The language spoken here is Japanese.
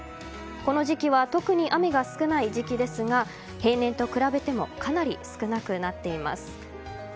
この時期は特に雨が少ない時期ですが平年と比べてもかなり少なくなっています。